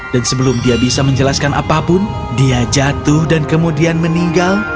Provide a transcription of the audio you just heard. sebelum dia bisa menjelaskan apapun dia jatuh dan kemudian meninggal